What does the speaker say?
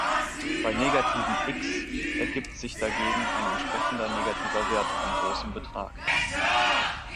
Bei negativen "x" ergibt sich dagegen ein entsprechender negativer Wert von großem Betrag.